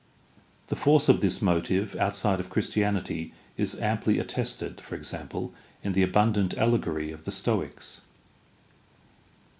The force of this motive outside of Christianity is amply attested, for example, in the abundant allegory of the Stoics.